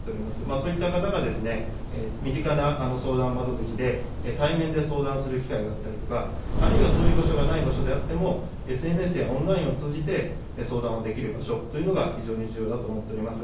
そういった方がですね、身近な相談窓口で対面で相談する機会があったりとか、あるいはそういう場所がない場所であっても、ＳＮＳやオンラインを通じて相談をできる場所というのが非常に重要だと思っております。